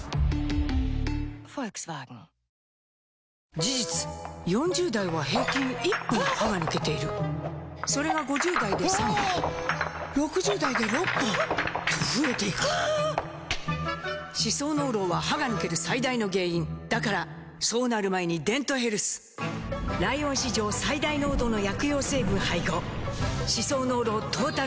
事実４０代は平均１本歯が抜けているそれが５０代で３本６０代で６本と増えていく歯槽膿漏は歯が抜ける最大の原因だからそうなる前に「デントヘルス」ライオン史上最大濃度の薬用成分配合歯槽膿漏トータルケア！